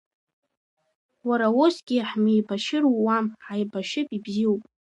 Уара усгьы ҳмеибашьыр ууам, ҳаибашьып, ибзиоуп.